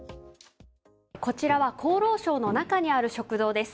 こちらは厚労省の中にある食堂です。